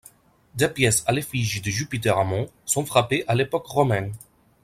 Des pièces à l'effigie de Jupiter Ammon sont frappées à l'époque romaine.